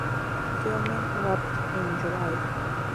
Filming wrapped in July.